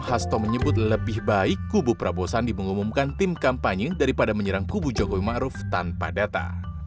hasto menyebut lebih baik kubu prabowo sandi mengumumkan tim kampanye daripada menyerang kubu jokowi ⁇ maruf ⁇ tanpa data